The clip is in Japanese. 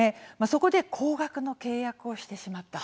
そこで高額の契約をしてしまった。